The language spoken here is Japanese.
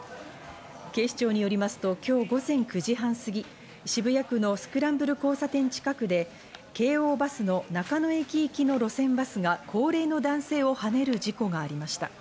警視庁によりますと今日午前９時半すぎ、渋谷区のスクランブル交差点近くで京王バスの中野駅行きの路線バスが高齢の男性をはねる事故がありました。